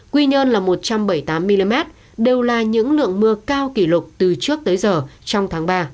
quy nhơn là một trăm bảy mươi tám mm đều là những lượng mưa cao kỷ lục từ trước tới giờ trong tháng ba